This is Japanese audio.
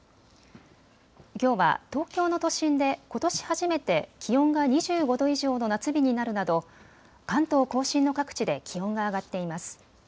きょうは東京の都心でことし初めて気温が２５度以上の夏日になるなど関東甲信の各地で気温が上がっています。